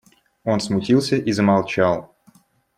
Он смутился и замолчал.